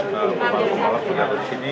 bapak komunas pun ada di sini